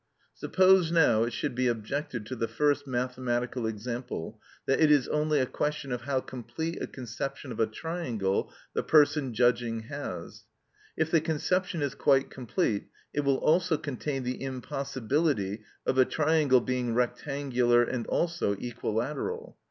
Suppose, now, it should be objected to the first mathematical example that it is only a question of how complete a conception of a triangle the person judging has: if the conception is quite complete it will also contain the impossibility of a triangle being rectangular and also equilateral.